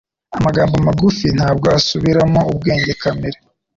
amagambo magufi ntabwo asubiramo ubwenge kamere